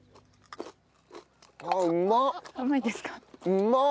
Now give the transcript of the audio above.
うまっ！